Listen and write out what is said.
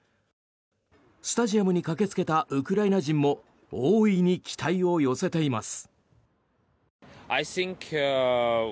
スタジアムに駆けつけたウクライナ人も大いに期待を寄せています。